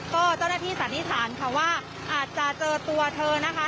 ก็เจ้าหน้าที่สันนิษฐานค่ะว่าอาจจะเจอตัวเธอนะคะ